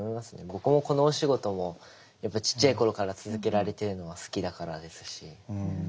僕もこのお仕事もやっぱちっちゃい頃から続けられてるのは好きだからですし。